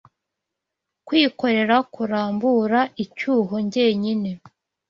kwikorera kurambura icyuho njyenyine